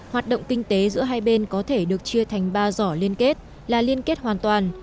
hoạt động kinh tế giữa hai bên có thể được chia thành ba giỏ liên kết là liên kết hoàn toàn